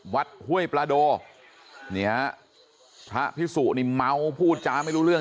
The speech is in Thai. วัดห้วยประโดนี่ฮะพระพิศูนิเมาส์พูดจ้าไม่รู้เรื่อง